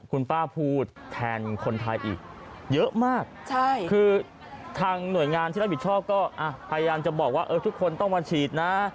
คุณป้าพูดแทนคนไทยอีกเยอะมากคือทางหน่วยงานที่รับผิดชอบก็พยายามจะบอกว่าทุกคนต้องมาฉีดนะ